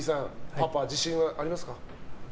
パパ、自信はありますか？